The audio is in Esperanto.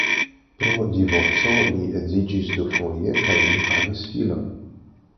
Pro divorco li edziĝis dufoje kaj li havis filon.